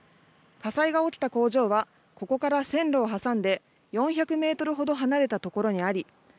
火災が起きた工場はここから線路を挟んで４００メートルほど離れたところにあり